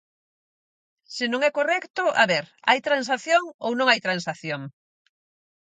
Se non é correcto, a ver, ¿hai transacción ou non hai transacción?